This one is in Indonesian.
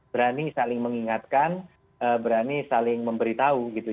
berani saling mengingatkan berani saling memberitahu gitu